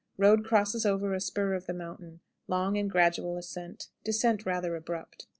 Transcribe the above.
Road crosses over a spur of the mountain; long and gradual ascent; descent rather abrupt.